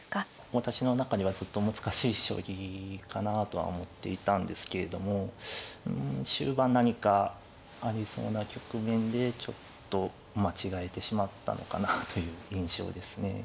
私の中ではずっと難しい将棋かなとは思っていたんですけれどもうん終盤何かありそうな局面でちょっと間違えてしまったのかなという印象ですね。